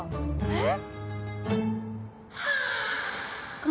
えっ？